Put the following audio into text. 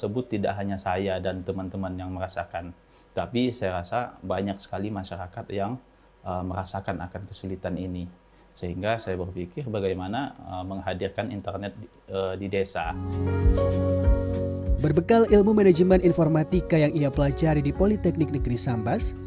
berbekal ilmu manajemen informatika yang ia pelajari di politeknik negeri sambas